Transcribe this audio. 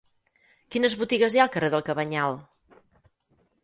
Quines botigues hi ha al carrer del Cabanyal?